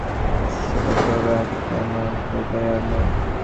বিশ্বসুদ্ধ লোকের কাছে তাকে হাস্যাস্পদ করবার এমন তো উপায় আর নেই।